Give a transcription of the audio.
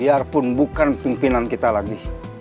biarpun bukan pimpinan kita lagi